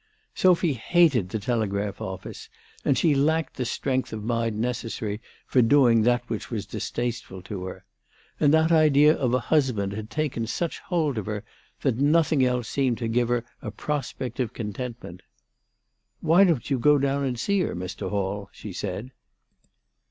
Sophy hated the telegraph office, and she lacked the strength of mind necessary for doing that which was distasteful to her. And that idea of a husband had taken such hold of her, that nothing else seemed to her to give a prospect of contentment. " Why don't you go down and see her, Mr. Hall ?" she said.